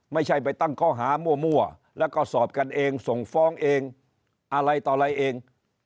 ไม่ใช่ไปตั้งข้อหามั่วแล้วก็สอบกันเองส่งฟ้องเองอะไรต่ออะไรเอง